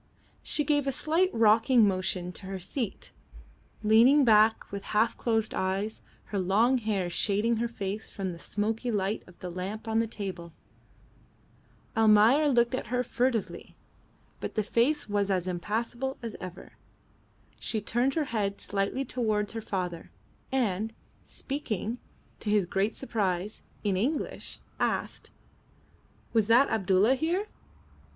She gave a slight rocking motion to her seat, leaning back with half closed eyes, her long hair shading her face from the smoky light of the lamp on the table. Almayer looked at her furtively, but the face was as impassible as ever. She turned her head slightly towards her father, and, speaking, to his great surprise, in English, asked "Was that Abdulla here?"